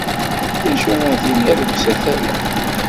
D acu ara d-tiniḍ deg usatal-a?